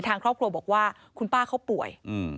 ทางครอบครัวบอกว่าคุณป้าเขาป่วย